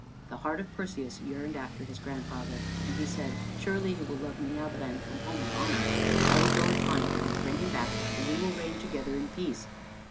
The heart of Perseus yearned after his grandfather, and he said, "Surely he will love me now that I am come home with honor. I will go and find him and bring him back, and we will reign together in peace."